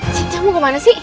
cinta mau kemana sih